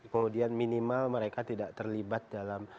kemudian minimal mereka tidak terlibat dalam